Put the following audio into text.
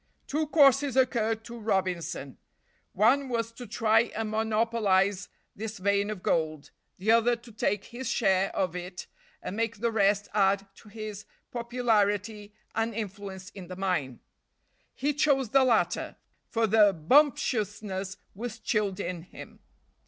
Two courses occurred to Robinson; one was to try and monopolize this vein of gold, the other to take his share of it and make the rest add to his popularity and influence in the mine. He chose the latter, for the bumptiousness was chilled in him.